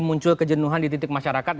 muncul kejenuhan di titik masyarakat